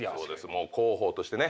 もう広報としてね。